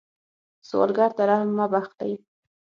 سوالګر ته رحم مه بخلئ